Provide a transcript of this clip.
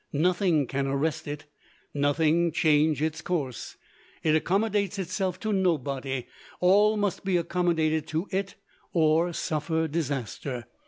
Nothing can arrest it; nothing change its course. It accommodates itself to nobody; all must be accommodated to it, or suffer disaster.